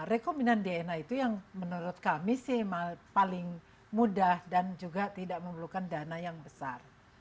jadi kombinan dna itu yang menurut kami sih paling mudah dan juga tidak memerlukan dana yang besar